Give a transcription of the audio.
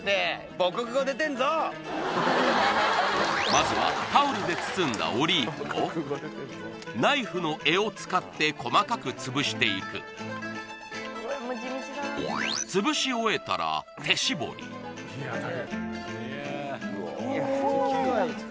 まずはタオルで包んだオリーブをナイフの柄を使って細かくつぶしていくうおまだこのよし